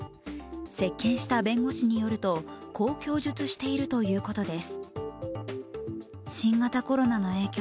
接見した弁護士によると、こう供述しているということです。